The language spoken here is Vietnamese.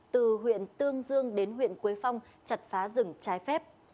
từ huyện tương dương đến huyện quế phong chặt phá rừng trái phép